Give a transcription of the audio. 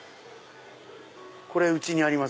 これうちにあります。